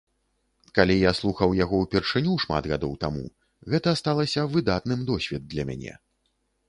Калі я слухаў яго ўпершыню шмат гадоў таму, гэта сталася выдатным досвед для мяне.